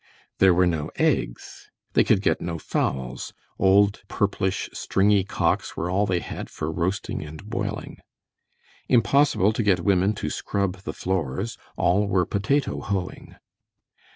There were no eggs. They could get no fowls; old, purplish, stringy cocks were all they had for roasting and boiling. Impossible to get women to scrub the floors—all were potato hoeing.